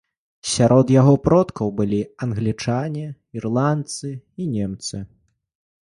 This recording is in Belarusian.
Сярод яго продкаў былі англічане, ірландцы і немцы.